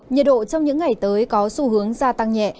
nhiệt độ trong những ngày tới có xu hướng gia tăng nhẹ